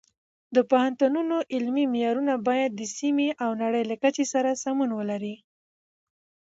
د پوهنتونونو علمي معیارونه باید د سیمې او نړۍ له کچې سره سمون ولري.